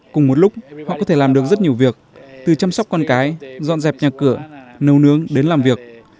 cùng một lúc họ có thể làm được rất nhiều việc từ chăm sóc con cái dọn dẹp nhà cửa nấu nướng đến làm việc